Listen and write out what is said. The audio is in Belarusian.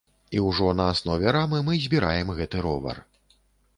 І ўжо на аснове рамы мы збіраем гэты ровар.